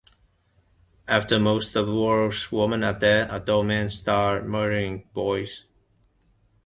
After most of the world's women are dead, adult men start murdering boys.